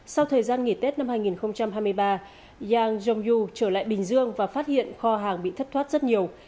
sau thời gian nghỉ tết năm hai nghìn hai mươi ba yang jong u trở lại bình dương và phát hiện kho hàng bị thất thoát rất nhiều